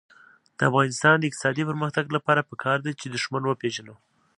د افغانستان د اقتصادي پرمختګ لپاره پکار ده چې دښمن وپېژنو.